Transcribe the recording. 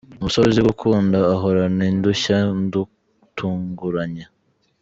Umusore uzi gukunda ahorana idushya ndutunguranye.